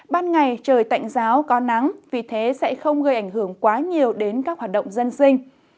ban ngày trời tạnh giáo có nắng vì thế sẽ không gây ảnh hưởng quá nhiều đến các hoạt động dân sinh